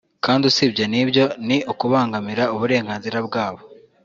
kandi usibye n’ibyo ni ukubangamira uburenganzira bwabo